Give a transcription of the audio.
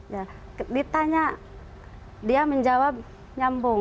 ya ditanya dia menjawab nyambung